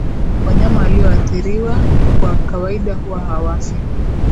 Wanyama walioathiriwa kwa kawaida huwa hawafi